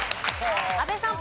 阿部さん。